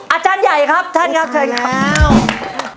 อาจารย์ใหญ่ครับท่านครับเชิญครับ